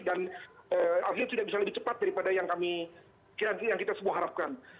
dan akhirnya tidak bisa lebih cepat daripada yang kami yang kita semua harapkan